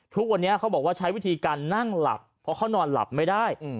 ทุกวันนี้เขาบอกว่าใช้วิธีการนั่งหลับเพราะเขานอนหลับไม่ได้